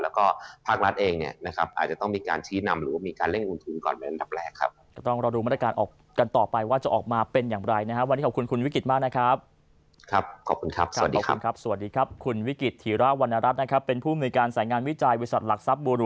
แล้วก็ภาครัฐเองเนี่ยอาจจะต้องมีการชี้นำหรือมีการเล่นลงทุนก่อนไปด้านดับแรกครับ